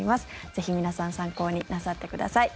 ぜひ皆さん参考になさってください。